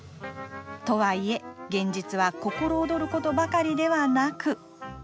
とはいえ現実は心躍ることばかりではなく。